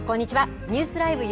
ニュースＬＩＶＥ！